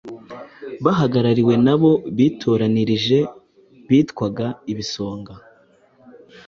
bahagarariwe n'abo bitoranirije bitwaga Ibisonga,